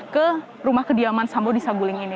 ke rumah kediaman sambo di saguling ini